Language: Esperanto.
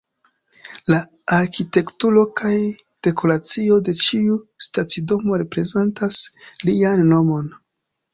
La arkitekturo kaj dekoracio de ĉiu stacidomo reprezentas lian nomon.